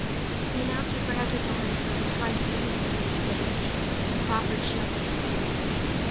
The announcer grabbed his arms then and tried to lead him from the stage. Crawford shoved him away.